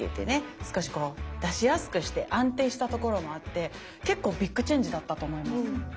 少しこう出しやすくして安定したところもあって結構ビッグチェンジだったと思います。